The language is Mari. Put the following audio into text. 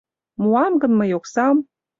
«Муам гын мый оксам